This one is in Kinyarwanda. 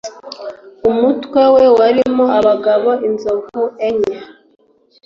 umutwe we warimo abagabo inzovu enye